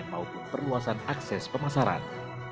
dan memperluas akses pemasaran